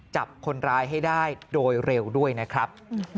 จับคนร้ายให้ได้โดยเร็วด้วยนะครับ